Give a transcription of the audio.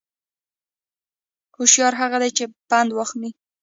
هوشیار هغه دی چې پند واخلي